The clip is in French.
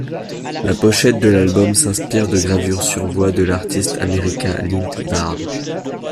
La pochette de l'album s'inspire de gravures sur bois de l'artiste américain Lynd Ward.